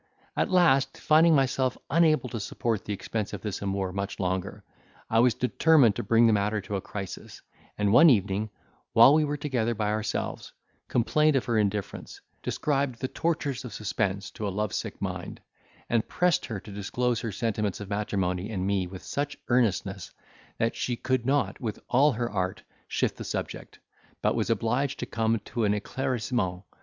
At last, finding myself unable to support the expense of this amour much longer, I was determined to bring the matter to a crisis; and one evening, while we were together by ourselves, complained of her indifference, described the tortures of suspense to a love sick mind, and pressed her to disclose her sentiments of matrimony and me with such earnestness, that she could not, with all her art, shift the subject, but was obliged to come to an eclaircissement.